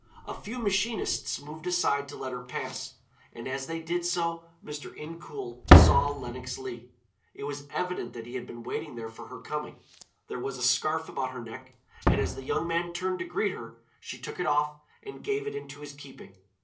A few machinists moved aside to let her pass, and as they did so Mr. Incoul saw Lenox Leigh. It was evident that he had been waiting there for her coming. There was a scarf about her neck, and as the young man turned to greet her, she took it off and gave it into his keeping.